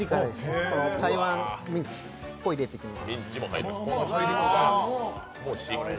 台湾ミンチを入れていきます。